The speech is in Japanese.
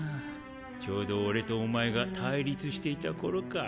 ちょうど俺とお前が対立していた頃か。